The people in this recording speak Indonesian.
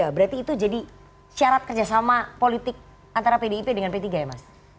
berarti itu jadi syarat kerjasama politik antara pdip dengan p tiga ya mas